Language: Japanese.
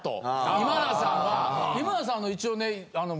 今田さん。